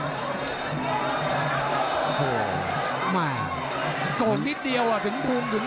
โธ่มายโกนนิดเดียวถึงภูมิตลอดเลย